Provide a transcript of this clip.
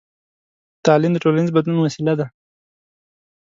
تعلیم د ټولنیز بدلون وسیله ده.